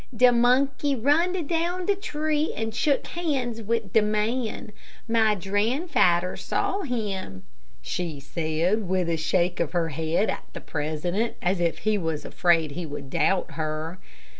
De monkey runned down de tree, and shook hands wid de man. My dranfadder saw him," she said, with a shake of her head at the president, as if she was afraid he would doubt her.